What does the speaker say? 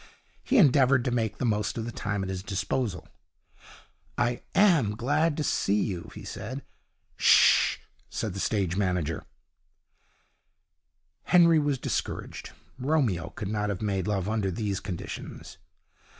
He endeavoured to make the most of the time at his disposal. 'I am glad to see you!' he said. 'Sh h!' said the stage manager. Henry was discouraged. Romeo could not have made love under these conditions.